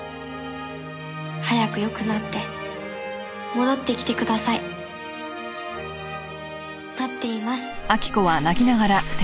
「早く良くなって戻ってきてください」「待っています」